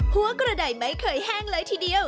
หัวกระดายไม่เคยแห้งเลยทีเดียว